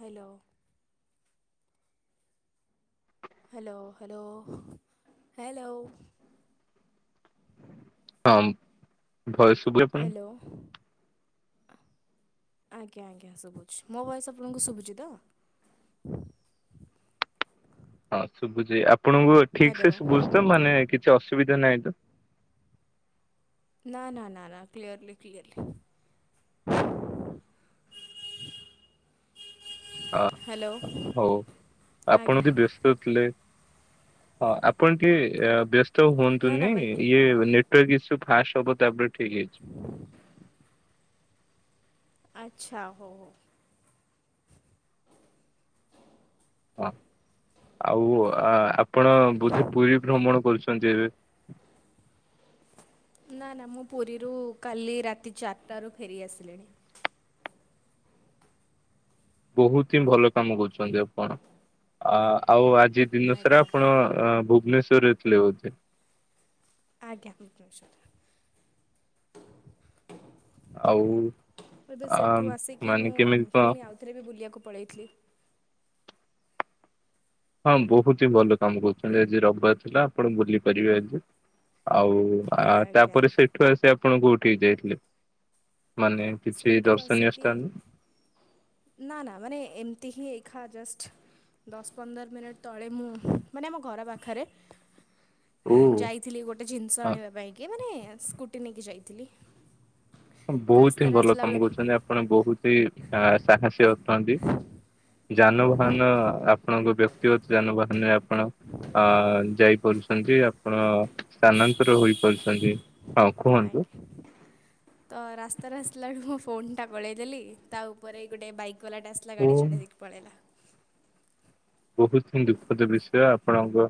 Hello. Hello hello hello. ହଁ ଭୟ ସବୁ ଆପଣ। ହ୍ୟାଲୋ [inaudible] ଆଜ୍ଞା ଆଜ୍ଞା ଶୁଭୁଛି ମୋ ଭଏସ ଆପଣଙ୍କୁ ଶୁଭୁଛି ତ? ହଁ ଶୁବୁଚି ଆପଣଙ୍କୁ ଠିକ୍ ହ୍ୟାଲୋ ସେ ସୁୁବୁଚି ତ ମାନେ କିଛି ଅସୁବିଧା ନାହିଁ [inaudible] ନା ନା ନା ନା କ୍ଲିୟରଲି କ୍ଲିୟରଲି। [inaudible] ଆ ହ୍ୟାଲୋ ହଉ ଆପଣ ଆଜ୍ଞା ଯଦି ବ୍ୟସ୍ତ ଥିଲେଆ ଅ ଆପଣ ଟିକେ ଏ ବ୍ୟସ୍ତ ନା ନା ହୁଅନ୍ତୁନି ମାନେ ଇଏନେ ଟେକିସୁ ଫାଶ୍ ହବ ତାପରେ ଠିକ ହେଇଛି ଆଛା ହଉ ହଉ। ଅ। ଆଉ ଆ ଆପଣ ବୋଧେ ପୁରୀ ଭ୍ରମଣ କରୁଛନ୍ତି ଏବେ? [inaudible] ନା ନା ମୁଁ ପୁରୀରୁ କାଲି ରାତି ଚାରିଟାରୁ ଫେରି ଆସିଲିଣି। ବହୁତ୍ ହିଁ ଭଲ କାମ କରୁଚନ୍ତି ଆପଣ ଆ ଆଉ ଆଜି ଜି ଦିନସରା ଆଜ୍ଞା ଆପଣ ଭୁବନେଶ୍ଵରରେଥିଲେ ବୋଧେ? ଆଜ୍ଞା ଭୁବୁନେସ୍ବର। ଆଉ ଏବେ ଆ ସେଠୁ ଆସିକି ମାନେ ମୁଁ କେମିତି କଣ ପୁଣି ଆଉଥରେ ବି ବୁଲିବାକୁ ପଳେଇଥିଲି। ହଁ ବହୁତ ହି ଭଲ କାମ କରୁଚନ୍ତି ଆଜି ରବାର୍ ଥିଲା ଆପଣ ବୁଲି ପାରିବେ ଆଜି। ଆଉ ଆ ଆଜ୍ଞା ତାପରେ ସେଠୁ ଆସି ଆପଣ କଉଠିକି ଯାଇଥିଲେ? ମାନେ କିଛି ସେଉଟୁକୁ ଦର୍ଶନୀୟ ଆସିକି ସ୍ଥାନ ନା ନା ମାନେ ଏମତି ହିଁ ଖା ଜଷ୍ଟ ଦଶ ପନ୍ଦର ମିନିଟ୍ ତଳେ ମୁଁ ମାନେ ଆମ ଘର ପାଖରେ ଓ ଯାଇଥିଲି ଗୋଟେ ଜିନିଷ ହଁ ଆଣିବା ପାଇଁକି ମାନେ ସ୍କୁଟି ନେଇକି ଯାଇଥିଲି। ବହୁତ ହିଁ ରାସ୍ତାରେ ଭଲ ଆସିଲା କାମ ବେଳକୁ କରୁଛନ୍ତି ଆପଣ ବହୁତ୍ ହିଁ ସା ସାହାସି ଅଟନ୍ତି। ଯାନବାହାନ ଆପଣଙ୍କ ବ୍ୟକ୍ତିଗତ ଯାନବାହାନରେ ଆପଣ ଆ ଯାଇପାରୁଛନ୍ତି ଆପଣ ସ୍ଥାନାନ୍ତର ହୋଇପାରୁଛନ୍ତି ହଁ କୁହନ୍ତୁ? ଆଜ୍ଞା ତ ରାସ୍ତାରେ ଆସିଲା ବେଳକୁ ମୋ ଫୋନ୍ ଟା ଗଳେଇ ଦେେଲି ତା ଉପରେ ଗୋଟେ ବାଇକ୍ କଲାଟା ଆସଲା ଓ ଗାଡ଼ି ଚଢ଼େଇ ଦେଇକି ପଳେଇଲା। ବୋହୁତ ହିଁ ଦୁଃଖଦ ବିଷୟ ଆପଣଙ୍କ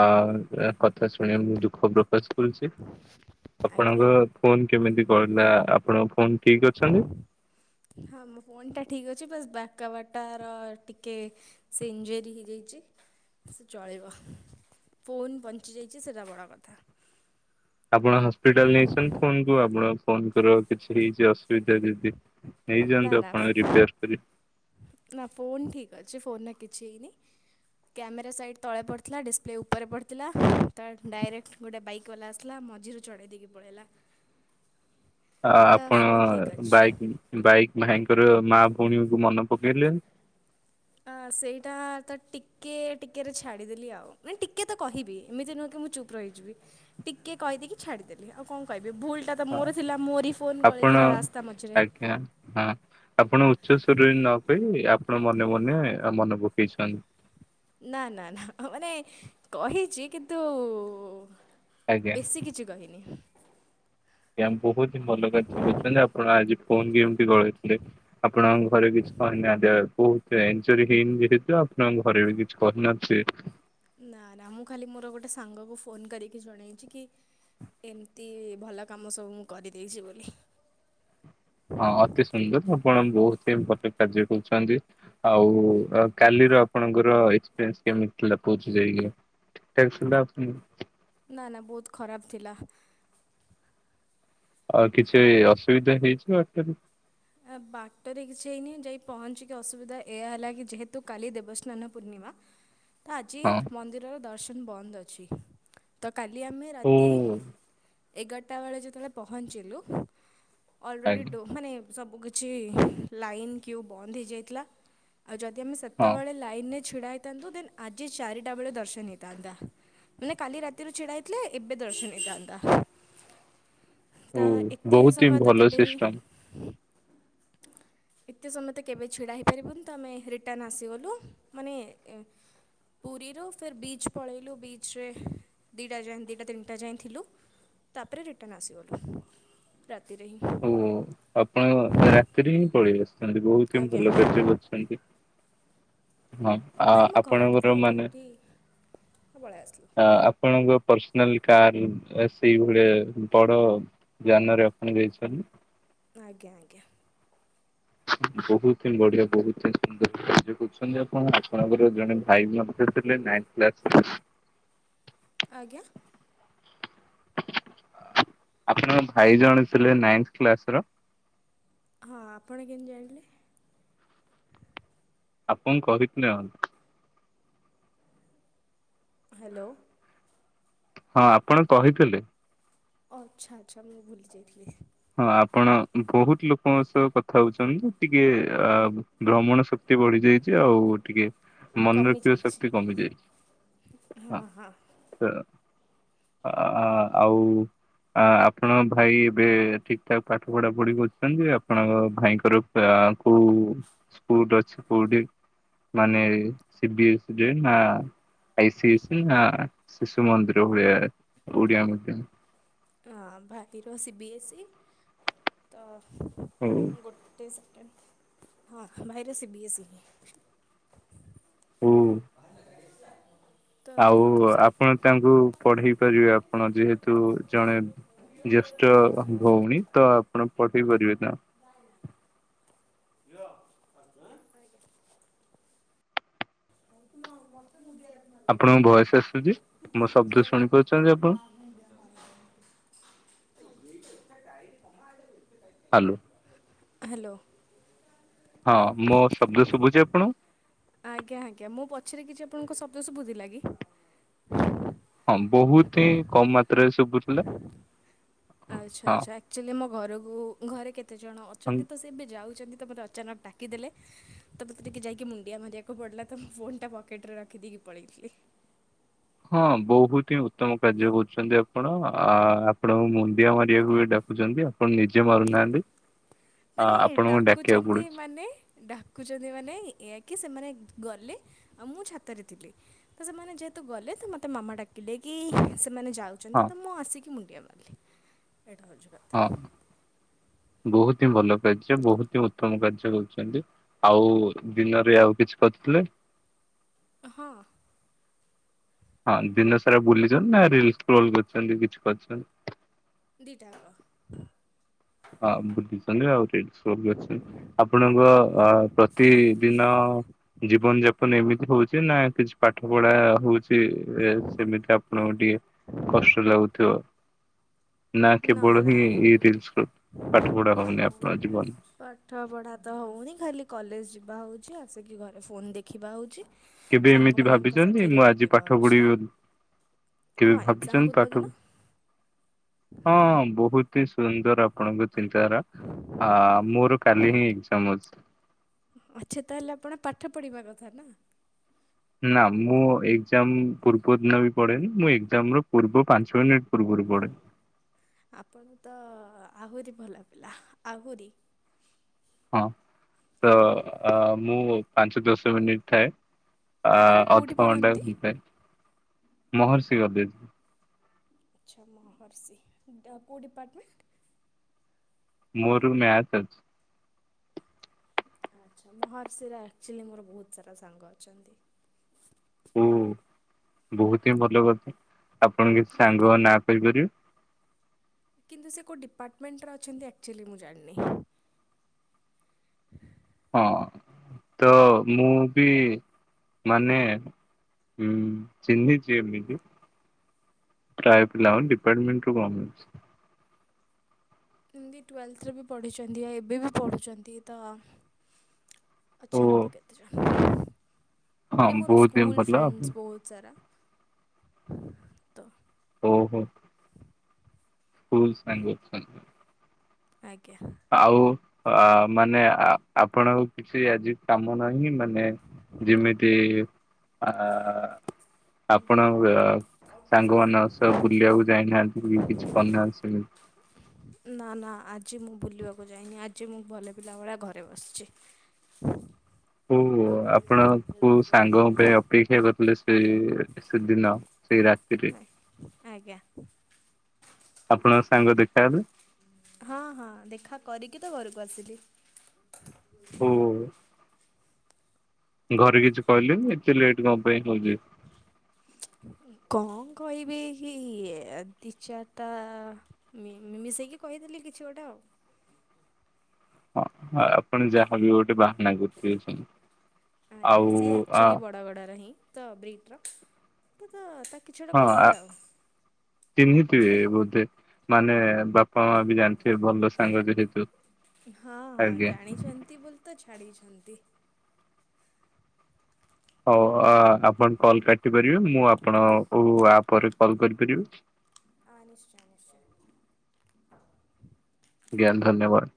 ଆ ପୁରା କ ଥା ଶୁଣି ମୁଁ ଦୁଃଖ ପ୍ରକାଶ କରୁଚି ଆଜ୍ଞା ଆପଣଙ୍କ ଫୋନ୍ କେମିତି କଣ ହେଲା ଆପଣ ଫୋନ୍ ହଁ ମୋ ଫୋନ୍ ଟା ଠିକ୍ ଅ ଚି ବାସ୍ ବାକାବାଟା ଆର ଟିକେ ସେ ଇଞ୍ଜୋରି ହେଇଯାଇଚି। ସେ ଚଳିବ ଫୋନ୍ ବଞ୍ଚିଯାଇଚି ସେଟା ବଡ଼ କଥା। ଆପଣ ହସ୍ପିଟାଲ ନେଇଛନ୍ତି ଫୋନ୍ କୁ ଆପଣ ଫୋନଙ୍କର କିଛି ହେଇଛି ଅସୁବିଧା ଯଦି। ନେଇଯାଆନ୍ତୁ ଆପଣ ରିପେୟାର୍ କରି। ନାଁ ଫୋନ୍ ଠିକ୍ ଅଛି ଫୋନ୍ ରେ କିଛି ହେଇନି। କ୍ୟାମେରା ସାଇଟ୍ ତଳେ ପଡ଼ିଥିଲା ଡିସପ୍ଲେ ଉପରେ ପଡ଼ିଥିଲା ତ ଡାଇରେକ୍ଟ୍ ଗୋଟେ ବାଇକ୍ ବାଲା ଆସଲା ମଝିରୁ ଚଢ଼େଇ ଦେଇକି ପଳେଇଲା। ଆ ତା ଆପଣ ଫୋନ୍ ଠିକ୍ ଅଛି ବାଇକ୍ ବାଇ ଭାଇଙ୍କର ମା ଭୋଉଣୀଙ୍କୁ ମନେ ପକେଇଲେନ୍ ଆ ସେଇଟା ତ ଟିକେ ଟିକେରେ ଛାଡ଼ିଦେଲି ଆଉ ମିନ୍ ଟିକେ ତ କହିବି ଏମିତି ନୁହଁ କି ମୁଁ ଚୁପ୍ ରହିଯିବି ଟିକେ କହିଦେଇକି ଛାଡ଼ିଦେଲି ଆଉ କଁ କହି ବେ ଭୁଲଟା ତ ମୋର ଥିଲା ମୋରି ଫୋନ୍ ଆପଣ ଗଳିଥିଲା ରାସ୍ତା ମଝିରେ। ଆଜ୍ଞା ହଁ। ଆପଣ ଉଚ୍ଚ ସ୍ବରରେ ନ କହି ଆପଣ ମନେ ମନେ ଅ ମନ ପକେଇଛନ୍। ନା ନା ନା ମାନେ କହିଛି କିନ୍ତୁ ଆଜ୍ଞା। ବେଶୀ କିଛି କହିନି। ବୋହୁତି ଭଲ କାର୍ଯ୍ୟ କରୁଚନ୍ତି ଆପଣ ଆଜି ଫୋନ୍ କେମତି ଗଳେଇଥିଲେ? ଆପଣଙ୍କ ଘରେ କିଛି କହିନାହା ଜ ବୋହୁତ ଏଞ୍ଜୋରୀ ହେଇନି ଯେହେତୁ ଆପଣଙ୍କ ଘରେ ବି କିଛି କହିନଥିବେ। ନାଁ ନାଁ ମୁଁ ଖାଲି ମୋର ଗୋଟେ ସାଙ୍ଗକୁ ଫୋନ୍ କରିକି ଜଣେଇଛି କି ଏମତି ଭଲ କାମ ସବୁ ମୁଁ କରିଦେଇଚି ବୋଲି। ହଁ ଅତି ସୁନ୍ଦର ଆପଣ ବୋହୁତ ହିଁ ଭଲ କାର୍ଯ୍ୟ କରୁଚନ୍ତି ଆଉ କାଲି ଆପଣଙ୍କର ଏପ୍ସେ କେମତି ଥିଲା ପୋଚ ଯାଇକି ଠିକି ଠାକେଥିଲା। ନା ନା ବହୁତ ଖରାପ ଥିଲା। ଆଉ କିଛି ଅସୁବିଧା ହେଇଯିବ କିତ୍ନୁ? ଆ ବାଟରେ କିଛି ହେଇନି ଯାଇ ପହଞ୍ଚିକି ଅସୁବିଧା ଏଇଆ ହେଲା କି ଯେହେତୁ କାଲି ଦେବସ୍ନାନ ପୂର୍ଣ୍ଣିମା ମାଆ। ତ ଆଜି ହଁ ମନ୍ଦିରର ଦର୍ଶନ ବନ୍ଦ ଅଛି ତ କାଲି ଆମେ ଓ ରାତି ଏଗାରଟା ବେଳେ ଯେତେବେଳେ ପହଞ୍ଚିଲୁ ଆଜ୍ଞା ଅଲରେଡ଼ିଡ ମାନେ ସବୁ କିଛି ଲାଇନ କ୍ୟୁ ବନ୍ଦ ହେଇଯାଇଥିଲା ଆଉ ଯଦି ଆମେ ହଁ ସେତେବେଳେ ଲାଇନରେ ଛିଡ଼ା ହେଇଥାନ୍ତୁ ଦେନ୍ ଆଜି ଚାରିଟା ବେଳେ ଦର୍ଶନ ହେଇଥାନ୍ତା। ମାନେ କାଲି ରାତିରୁ ଛିଡା ହେଇଥିଲେ ଏବେ ଦର୍ଶନ ହେଇଥାନ୍ତା। ତ ଓ ବହୁତୀ ହି ଭଲ ସିଷ୍ଟମ। ହ ଏତେ ସମୟ ତ କେବେ ଛିଡ଼ା ହେଇପାରିବୁନି ତ ଆମେ ରିଟର୍ଣ ଆସିଗଲୁ ମାନେ ପୁରୀରୁ ଫେର୍ ବିଚ୍ ପଳେଇଲୁ ବିଚ୍ରେ ଦିଇଟା ଯାଏ ଦିଇଟା ତିନିଟା ଯାଏଁ ଥିଲୁ। ତାପରେ ରିଟର୍ଣ ଆସିଗଲୁ ରାତିରେ ହିଁ। ଓ [unintelligible] ରାତିରେ ହିଁ ପଳେଇ ଆସିଛନ୍ତି ବହୁତ ହି ଆଜ୍ଞା ଭଲ କାର୍ଯ୍ୟ କରିଛନ୍ତି। ହଁ ଆ ମାନେ ଆମ ଘରଟା ତ ଆପଣଙ୍କର ମାନେ ଏଠି ପଳେଇ ଆସିଲୁ ଆପଣଙ୍କ ପର୍ସନାଲ କାର ସେଇଭଳିଆ ବଡ ଯାନରେ ଆପଣ ଯାଇଛି। ହୁଁ। ଆଜ୍ଞା ଆଜ୍ଞା। ହ ବହୁତ ହିଁ ବଢିଆ ବହୁତ ହିଁ ସୁନ୍ଦର କହାଯ୍ୟ କରୁଛନ୍ତି ଆପଣ ଆପଣଙ୍କର ଜଣେ ଭାଇ ମୋସାଥି ରେଲା। ନେଚୁ ରାଲେ। ଆଜ୍ଞା। ଆପଣଙ୍କ ଭାଇ ଜଣେ ଥିଲେ ନାଇଥ କ୍ଲାସର? ହଁ ଆପଣ କେମିତି ଜାଣିଲେ? ଆପଣ କହିଥିଲେ ମତେ ହ୍ୟାଲୋ। ହଁ ଆପଣ କହିଥିଲେ। ଓ ଅଚ୍ଛା ଆଚ୍ଛା ମୁଁ ଭୁଲିଯାଇଥିଲି। ହଁ ଆପଣ ବହୁତ ଲୋକଙ୍କ ସହ କଥା ହଉଛନ୍ତି ଟିକେ ଅ ଭ୍ରମଣ ଶକ୍ତି କେ ବଢି ଯାଇଛି, ଆଉ ଟିକେ ମନେରଖିଥିବା କମିଯାଇଛି ଶକ୍ତି କମିଯାଇଛି। ହଁ ହଁ। ଅ ଆ ଆଉ ଆପଣଙ୍କ ଭାଇ ଏବେ ଠିକଠାକ ପାଠ ପଢାପଢି କରୁଛନ୍ତି ଆପଣଙ୍କ ଭାଇଙ୍କର ଆ କୋଉ ସ୍କୁଲ ଅଛି? କୋଉଠି ମାନେ ସି ବି ଏସ୍‌ ଇ ରେ ନା? ଆଇସିଏସ୍‌ ନା, ଶିଶୁ ମନ୍ଦିର ଭଳିଆ ଓଡିଆ ମିଡିୟମ୍? ହଁ ଭାଇ ର ସି ବି ଏସ ଇ ତ ହୁଁ। ଗୋଟେ ହଁ ଭାଇ ର ସି ବି ଏସ ଇ। ହଉ ତ ଆଉ ଯେହେତୁ ସେ ଆପଣ ତାଙ୍କୁ ପଢେଇ ପାରିବେ, ଆପଣ ଯେହେତୁ ଜଣେ ଜ୍ୟେଷ୍ଠ ଭଉଣୀ, ତ ଆପଣ ପଢେଇ ପାରିବେ ନା? [inaudible] ହଉ ତ ମା [inaudible] ଆପଣଙ୍କୁ ଭଏସ୍ ଆସୁଚି ମୋ ଶବ୍ଦ ଶୁଣି ପାରୁଚନ୍ତି ଆପଣ? ହାଲୋ। ହାଲୋ। ହଁ ମୋ ଶବ୍ଦ ଶୁଭୁଚି ଆପଣଉ? ଆପଣଙ୍କୁ ଶବ୍ଦ ଶୁଭୁଥିଲା କି? ହଁ ବୋହୁତ ହିଁ କମ୍ ମାତ୍ରାରେ ଶୁବୁଥୁଲା। ଆଚ୍ଛା ଆଚ୍ଛା ଆକ୍ଚୁଲି ମୋ ଘରକୁ ଘରେ କେତେ ଜଣ ଅଛନ୍ତି ତ ସେ ଏବେ ଯାଉଚନ୍ତି ତ ପରେ ଅଚାନକ୍ ଡାକିଦେଲେ ତ ମୋତେ ଟିକେ ଯାଇକି ମୁଣ୍ଡିଆ ମାରିବାକୁ ପଡ଼ିଲା ତ ମୋ ଫୋନ୍ ଟା ପକେଟ୍ ରେ ରଖିଦେଇକି ପଳେଇଥିଲି। ହଁ ବୋହୁତ ହିଁ ଉତ୍ତମ କାର୍ଯ୍ୟ କରୁଚନ୍ତି ଆପଣ ଆ ଆପଣଙ୍କୁ ମୁଣ୍ଡିଆ ମାରିବାକୁ ବି ଡା- କୁଚନ୍ତି ଆପଣ ନିଜେ ମାରୁନାହାନ୍ତି। ଆ ମାନେ ଆପଣଙ୍କୁ ଡାକିବାକୁ ଡାକୁଚନ୍ତି ପଡୁଛି ମାନେ ଡାକୁଚନ୍ତି ମାନେ ଏଇଆ କି ସେମାନେ ଗଲେ ଆଉ ମୁଁ ଛାତରେ ଥିଲି ତ ସେମାନେ ଯେହେତୁ ଗଲେ ତ ମୋତେ ମାମା ଡାକିଲେ କି ସେ ମାନେ ଯାଉଚନ୍ତି ହଁ ତ ମୁଁ ଆସିକି ମୁଣ୍ଡିଆ ମା ଏଇଟା ହଉଚି କଥା। ବୋହୁତ ହିଁ ଭଲ କାର୍ଯ୍ୟ ବୋହୁତ ହିଁ ଉତ୍ତମ କାର୍ଯ୍ୟ କରୁଚନ୍ତି ଆଉ ଦିନରେ ଆଉ କିଛି କ ଥିଲେ ହଁ‌ ହଁ ଦିନ ସାରା ବୁଲିଚନ୍ତି ନାଁ ରିଲସ୍ ସ୍କ୍ରୋଲ୍ କରିଚନ୍ତି କିଛି କରିଚନ୍ତି? ଦିଇଟା ଆକ। ହଁ ବୁଲିଚନ୍ତି ଆଉ ରିଲସ୍ ସ୍କ୍ରୋଲ୍ କରିଚନ୍ତି ଆପଣଙ୍କ ଆ ପ୍ରତିଦିନ ଜୀବନଯା ପନ ଏମିତି ହୋଉଚି ନାଁ କିଛି ପାଠ ପଢ଼ା ହୋଉଚି ଏ ସେମିତି ଆପଣଙ୍କ ଟିକେ କଷ୍ଟ ଲାଗୁଥିବ। ହ ନା କେବଳ ହିଁ ଏ ରିଲ୍ସ କର? ପାଠ ପଢା ତ ହଉନି ଖାଲି କଲେଜ ଯିବା ହଉଛି, ଆସିକି ଘରେ ଫୋନ ଦେଖିବା ହଉଛି କେବେ ଏମିତି ସାଙ୍ଗମାନଙ୍କ ଭାବିଛନ୍ତି, ସାଥିରେ ମୁଁ ଆଜି ଗପିବା ପାଠ ହଉଛି। ପଢିବି କେବେ ହଁ ଏକ୍ଜାମ ଭାବିଛନ୍ତି ପୂର୍ବ ଦିନ ପାଠକୁ ହଁ ବହୁତ ହି ସୁନ୍ଦର ଆପଣଙ୍କ ଚିନ୍ତାଧାରା। ହଁ ମୋର କାଲି ହିଁ ଏକଜାମ ଅଛି। ଆଚ୍ଛା। ତାହେଲେ ଆପଣ ପାଠ ପଢିବା କଥା ନା? ନା ମୁଁ ଏକ୍ଜାମ ପୂର୍ବ ଦିନ ବି ପଢେନି, ମୁଁ ଏଜାମ ର ପୂର୍ବ ପାଞ୍ଚ ମିନିଟ୍ ପୂର୍ବରୁ ପଢେ। ଆପଣ ତ- ହଁ ଆହୁରି ଭଲ ପିଲା ଆହୁରି। ହଁ ତ ମୁଁ ପାଞ୍ଚ ଦଶ ମିନିଟ୍ ଥାଏ ଆ ଆପଣ କୋଉଠି ଅଧଘଣ୍ଟା ପଢ଼ନ୍ତି? ହୋଇଥାଏ ମହର୍ଷି ଗଦେଇ। ଆଚ୍ଛା। ମହର୍ଷି, କୋଉ ଡିପାର୍ଟମେଣ୍ଟ? ମୋର ମ୍ୟାଥ ଅଛି। ଆଚ୍ଛା। ମହର୍ଷିରେ ଆକ୍ଚୁଆଲି ମୋର ବହୁତ ସାରା ସାଙ୍ଗ ଅଛନ୍ତି। ଓ ବହୁତ ହିଁ ଭଲ କଥା। ଆପଣ କିଛି ଆଜ୍ଞା। ସାଙ୍ଗଙ୍କ ନାଁ କହିପାରିବେ? କିନ୍ତୁ ସେ କେଉଁ ଡିପାର୍ଟମେଣ୍ଟରେ ଅଛନ୍ତି ଆକ୍ଚୁଆଲି ମୁଁ ଜାଣିନି। ହଁ ତ ମୁଁ ବି ମାନେ ହୁଁ। ଚିହ୍ନିଛି ଏମିତି ପ୍ରାୟ ପିଲାମାନେ ଡିପାର୍ଟମେଣ୍ଟର ଗମେନ୍ସ ଏମିତି ଟ୍ୱେଲଥରେ ବି ପଢ଼ିଛନ୍ତି, ଏବେ ବି ପଢ଼ୁଛନ୍ତି ତ ଓ ଅଛନ୍ତି କେତେଜଣ। ହଁ ମାନେ ମୋର ବହୁତ ହିଁ ସ୍କୁଲ୍ ଭଲ ଫ୍ରେଣ୍ଡସ୍ ବହୁତ ସାରା ତ ଓହୋ। ସ୍କୁଲ ସାଙ୍ଗ ସାଙ୍ଗ ଆଜ୍ଞା। ଆଉ ଅ ମାନେ ଆପଣ ଆଉ କିଛି ଆଜି କାମ ନାହିଁ ମାନେ ଯେମିତି ଆ ଆପଣ ଅ ସାଙ୍ଗମାନଙ୍କ ସହ ବୁଲିବାକୁ ଯାଇନାହାଁନ୍ତି କିଛି କରିନାହାଁନ୍ତି ସେମିତି ନା ନା ଆଜି ମୁଁ ବୁଲିବାକୁ ଯାଇନି, ଆଜି ମୁଁ ଭଲ ପିଲା ଭଳିଆ ଘରେ ବସିଛି। ହୁଁ ଆପଣ କୋଉ ସାଙ୍ଗଙ୍କ ପାଇଁ ଅପେକ୍ଷା କରିଥିଲେ ସେ ସେଦିନ ସେଇ ରାତିରେ ନାଇଁ ଆଜ୍ଞା। ଆପଣଙ୍କ ସାଙ୍ଗ ଦେଖା ହେଲେ? ହଁ ହଁ ଦେଖା କରିକି ତ ଘରକୁ ଆସିଲି। ହୁଁ। ଘରେ କିଛି କହିଲେନି ଏତେ ଲେଟ୍ କଣ ପାଇଁ ହଉଛି? କଣ କହିବି କି ଏ ଦି ଚାରଟା ମି ମିଶେଇକି କହ କହିଥିଲି କିଛି ଗୋଟେ ଆଉ। ହଁ ଆପଣ ଯାହାବି ଗୋଟେ ବାହାନା [unintelligible] ଆଜ୍ଞା। ଆଉ ସିଏ ଆ ଆକ୍ଚୁଆଲି ବଡଗଡାର ହିଁ। ତ ବ୍ରିଟର ସେଇଟା ତ କିଛି ଗୋଟେ ହଁ ଆ କହିଦେଲି ଆଉ ଚିହ୍ନିଥିବେ ବୋଧେ? ମାନେ ବାପା ମା ବି ଜାଣିଥିବେ ଭଲ ସାଙ୍ଗ ଯେହେତୁ ହଁ ହଁ ଆଜ୍ଞା। ଜାଣିଛନ୍ତି ବୋଲି ତ ଛାଡିଛନ୍ତି। ହଉ ଆ-ଆପଣ କଲ କାଟି ପାରିବେ, ମୁଁ ଆପଣଙ୍କୁ ଆ ପରେ କଲ କରିପାରିବି। ହଁ ନିଶ୍ଚୟ ନିଶ୍ଚୟ। ଜ୍ଞାନ ଧନ୍ୟବାଦ।